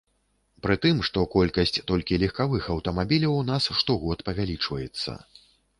Пры тым, што колькасць толькі легкавых аўтамабіляў у нас штогод павялічваецца.